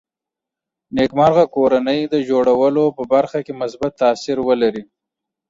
نېکمرغه کورنۍ د جوړولو په برخه کې مثبت تاثیر ولري